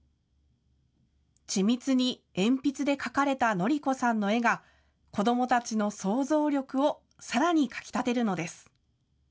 緻密に鉛筆で描かれた紀子さんの絵が、子どもたちの想像力をさらにかきたてるのです。